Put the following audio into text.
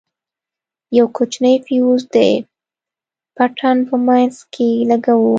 يو کوچنى فيوز د پټن په منځ کښې لگوو.